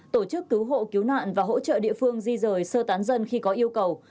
tổ chức cứu hộ cứu nạn và hỗ trợ địa phương di rời sơ tán dân khi có yêu cầu